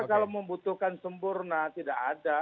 kalau membutuhkan sempurna tidak ada